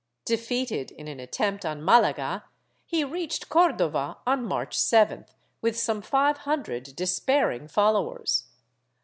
Defeated in an attempt on Malaga, he reached Cordova on March 7th, with some five hundred des pairing followers.